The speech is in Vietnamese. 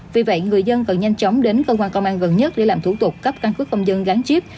vì vậy người dân cần nhanh chóng đến cơ quan công an gần nhất để làm thủ tục cấp căn cứ công dân gắn chip